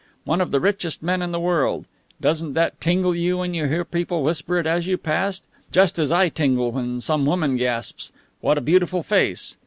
One of the richest men in the world! Doesn't that tingle you when you hear people whisper it as you pass? Just as I tingle when some woman gasps, 'What a beautiful face!'